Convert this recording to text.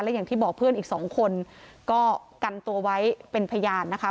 อย่างที่บอกเพื่อนอีกสองคนก็กันตัวไว้เป็นพยานนะคะ